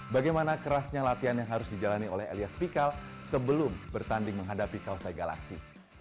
bagaimana kerasnya latihan yang harus dijalani oleh elias pikal sebelum bertanding menghadapi kausai galaksi